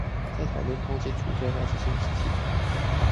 在討論通姦除罪化這件事情